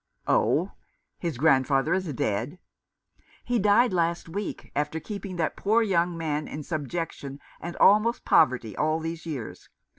" Oh ? His grandfather is dead ?" "He died last week, after keeping that poor young man in subjection, and almost poverty, all these years.